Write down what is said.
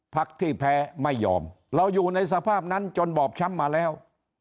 พักที่แพ้ไม่ยอมเราอยู่ในสภาพนั้นจนบอบช้ำมาแล้ว